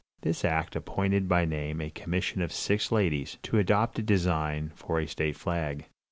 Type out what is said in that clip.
This act appointed by name a commission of six ladies, to adopt a design for a state flag.